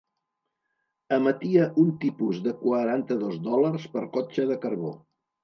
Emetia un tipus de quaranta dos dòlars per cotxe de carbó.